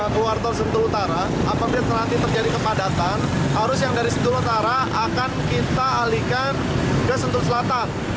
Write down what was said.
keluar tol sentul utara apabila nanti terjadi kepadatan arus yang dari sentul utara akan kita alihkan ke sentul selatan